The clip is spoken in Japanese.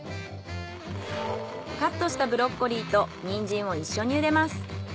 カットしたブロッコリーとニンジンを一緒にゆでます。